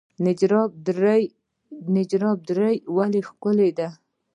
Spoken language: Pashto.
نجراب درې ولې ښکلې دي؟